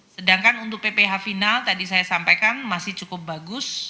sedangkan untuk pph final tadi saya sampaikan masih cukup bagus